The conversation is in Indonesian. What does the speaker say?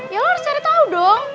ya lo harus cari tau dong